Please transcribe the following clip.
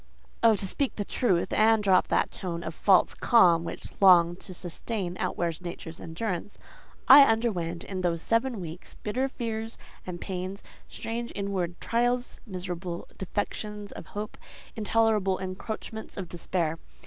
Oh!—to speak truth, and drop that tone of a false calm which long to sustain, outwears nature's endurance—I underwent in those seven weeks bitter fears and pains, strange inward trials, miserable defections of hope, intolerable encroachments of despair.